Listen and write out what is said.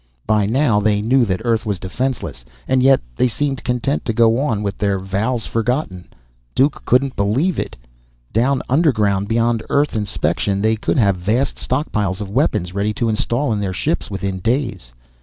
By now, they knew that Earth was defenseless. And yet, they seemed content to go on with their vows forgotten. Duke couldn't believe it. Down underground, beyond Earth inspection, they could have vast stockpiles of weapons, ready to install in their ships within days.